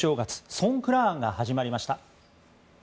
ソンクラーンが始まりました。